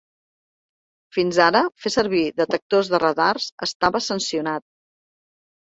Fins ara, fer servir detectors de radars estava sancionat.